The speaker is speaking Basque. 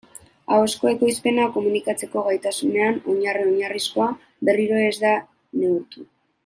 Ahozko ekoizpena, komunikatzeko gaitasunean oinarri-oinarrizkoa, berriro ere ez da neurtu.